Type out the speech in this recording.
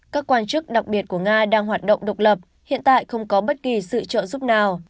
các quan chức đặc biệt của nga đang hoạt động độc lập hiện tại không có bất kỳ sự trợ giúp nào